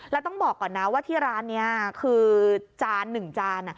แล้วต้องบอกก่อนนะว่าที่ร้านนี้คือจาน๑จาน